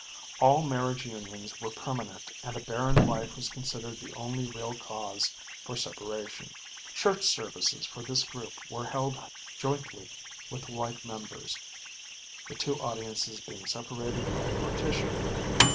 All marriage unions were permanent and a barren wife was considered the only real cause for separation. Church services for this group were held jointly with the white members, the two audiences being separated by a partition.